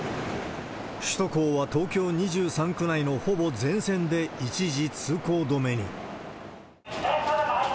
首都高は東京２３区内のほぼ全線で一時通行止めに。